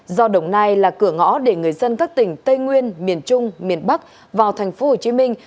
do đồng nai là cửa ngõ để người dân các tỉnh tây nguyên miền trung miền bắc vào thành phố hồ chí minh